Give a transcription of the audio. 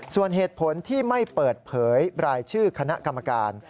ส่วนเหตุผลที่ไม่เปิดเผยรายชื่อคณะกรรมการ